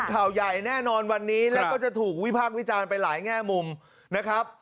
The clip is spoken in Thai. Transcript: ข่าวใหญ่แน่นอนวันนี้แล้วก็จะถูกวิพากษ์วิจารณ์ไปหลายแง่มุมนะครับ